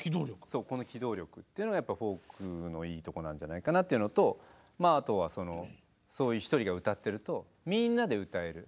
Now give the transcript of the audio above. そうこの機動力というのがやっぱりフォークのいいとこなんじゃないかなというのとあとはそのそういう一人が歌ってるとみんなで歌える。